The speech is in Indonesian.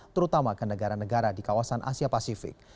terutama ke negara negara di kawasan asia pasifik